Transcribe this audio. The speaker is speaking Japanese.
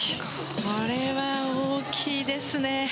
これは大きいですね。